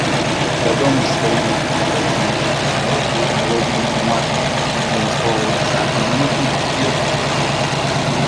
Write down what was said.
Вядомы сваімі факультэтамі нанатэхналогій, экалогіі, інфарматыкі, прамысловага дызайну, менеджменту і архітэктуры.